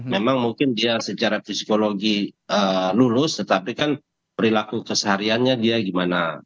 memang mungkin dia secara psikologi lulus tetapi kan perilaku kesehariannya dia gimana